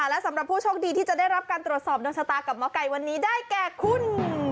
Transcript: และสำหรับผู้โชคดีที่จะได้รับการตรวจสอบดวงชะตากับหมอไก่วันนี้ได้แก่คุณ